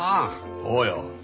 おうよ。